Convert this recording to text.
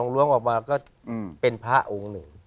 ล้วงออกมาก็เป็นพระองค์หนึ่ง